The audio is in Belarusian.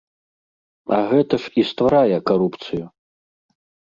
А гэта ж і стварае карупцыю!